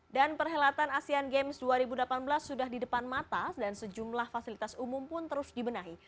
dan perhelatan asian games dua ribu delapan belas sudah di depan mata dan sejumlah fasilitas umum pun terus dibenahi